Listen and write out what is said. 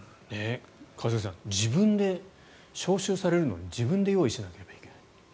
一茂さん招集されるのに自分で用意しなければいけない。